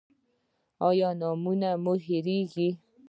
ایا نومونه مو هیریږي؟